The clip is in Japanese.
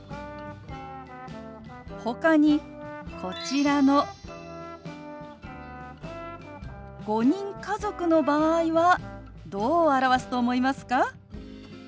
ほかにこちらの５人家族の場合はどう表すと思いますか？